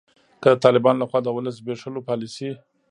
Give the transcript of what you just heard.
که د طالبانو لخوا د ولس د زبیښولو پالسي